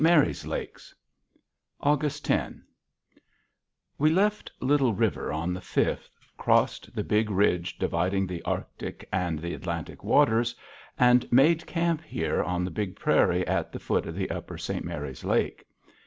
MARY'S LAKES August 10. We left Little River on the 5th, crossed the big ridge dividing the Arctic and the Atlantic waters, and made camp here on the big prairie at the foot of the Upper St. Mary's Lake.